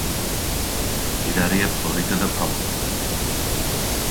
მდიდარია ფლორითა და ფაუნით.